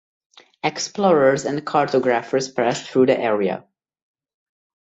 Explorers and cartographers passed through the area.